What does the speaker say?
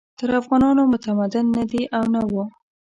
تر افغانانو متمدن نه دي او نه وو.